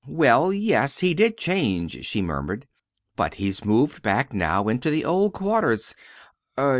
"Well, yes, he did change," she murmured; "but he's moved back now into the old quarters.